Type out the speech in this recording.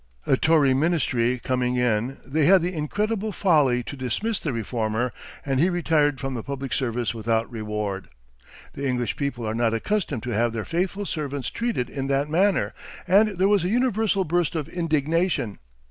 A Tory ministry coming in, they had the incredible folly to dismiss the reformer, and he retired from the public service without reward. The English people are not accustomed to have their faithful servants treated in that manner, and there was a universal burst of indignation.